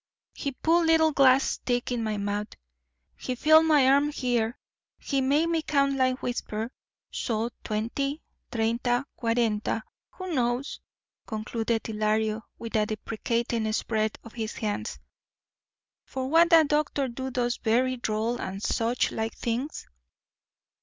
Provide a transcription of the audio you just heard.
He put little glass stick in my mouth. He feel my arm here. He make me count like whisper—so—twenty, treinta, cuarenta. Who knows," concluded Ylario, with a deprecating spread of his hands, "for what that doctor do those verree droll and such like things?"